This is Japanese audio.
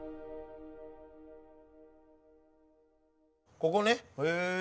ここね。